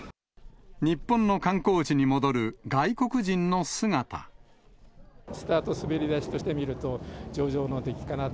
日本の観光地に戻る外国人のスタート、滑り出しとして見ると、上々の出来かなと。